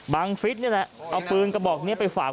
ฟิศนี่แหละเอาปืนกระบอกนี้ไปฝาก